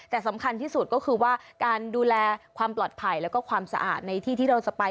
แต่สำคัญที่สุดก็คือว่าการดูแลความปลอดภัยแล้วก็ความสะอาดในที่ที่เราจะไป